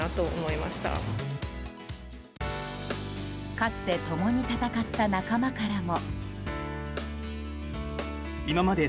かつて共に戦った仲間からも。